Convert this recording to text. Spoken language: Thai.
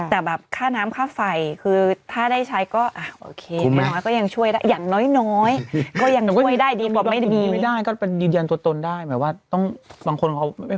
แต่แบบค่าน้ำค่าไฟคือถ้าได้ใช้ก็อ้าวโอเค